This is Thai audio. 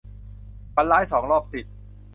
ฝันร้ายสองรอบติด